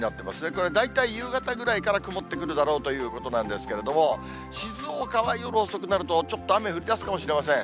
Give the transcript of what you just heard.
これ、大体夕方ぐらいから曇ってくるだろうということなんですけれども、静岡は夜遅くなると、ちょっと雨降りだすかもしれません。